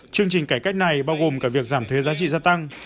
chương trình cải cách này bao gồm cả việc giảm thuế giá trị gia tăng